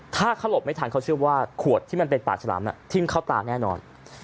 ถ้าเขาหลบไม่ทันเขาเชื่อว่าขวดที่มันเป็นปากฉลามทิ้มเข้าตาแน่นอน